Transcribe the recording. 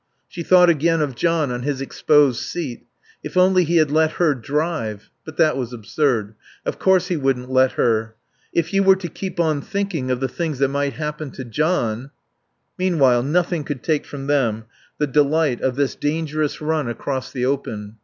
She thought again of John on his exposed seat. If only he had let her drive But that was absurd. Of course he wouldn't let her. If you were to keep on thinking of the things that might happen to John Meanwhile nothing could take from them the delight of this dangerous run across the open.